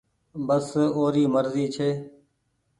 بس اوري مرزي ڇي۔